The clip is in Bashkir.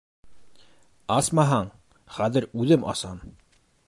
Асмаһаң, хәҙер үҙем асам!